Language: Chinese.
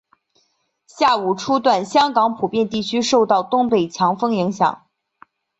下午初段香港普遍地区受到东北强风影响。